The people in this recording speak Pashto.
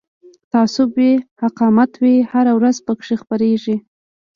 تعصب وي حماقت وي هره ورځ پکښی خپریږي